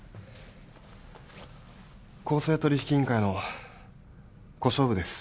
公正取引委員会の小勝負です。